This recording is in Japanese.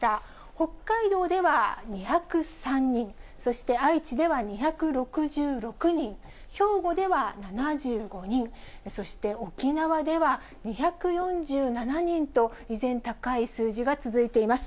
北海道では２０３人、そして愛知では２６６人、兵庫では７５人、そして沖縄では２４７人と、依然高い数字が続いています。